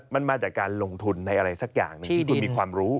มันมาจากการลงทุนในอะไรสักอย่างหนึ่งที่คุณมีความรู้